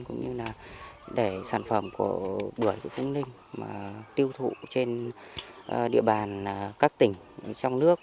cũng như là để sản phẩm của bưởi của phú ninh tiêu thụ trên địa bàn các tỉnh trong nước